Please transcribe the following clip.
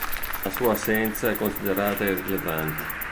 La sua assenza è considerata irrilevante.